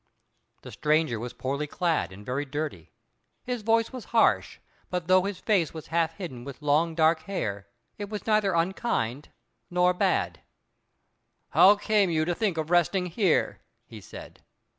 The stranger was poorly clad and very dirty. His voice was harsh, but though his face was half hidden with long, dark hair, it was neither unkind nor bad. "How came you to think of resting here?" he said.